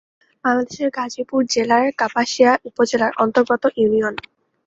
বাংলাদেশের গাজীপুর জেলার কাপাসিয়া উপজেলার অন্তর্গত ইউনিয়ন।